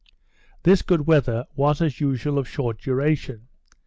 This good weather was, as usual, of short duration.